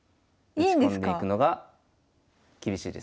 打ち込んでいくのが厳しいです。